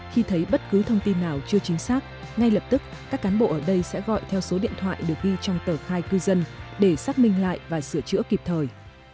khi thấy bất cứ thông tin nào chưa chính xác ngay lập tức các cán bộ ở đây sẽ gọi theo số điện thoại được ghi trong tờ khai cư dân để xác minh lại và sửa chữa kịp thời